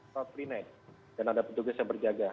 dan ada penjaga penjaga yang berjaga